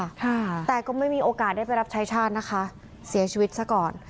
ค่ะแต่ก็ไม่มีโอกาสได้ไปรับใช้ชาตินะคะเสียชีวิตซะก่อน